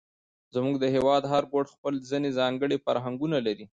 زموږ د هېواد هر ګوټ خپل ځېنې ځانګړي فرهنګونه لري،